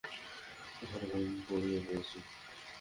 ওখানে ঘুম পাড়িয়ে দিয়েছি।